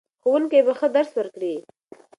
ښوونکي به ښه درس ورکړي.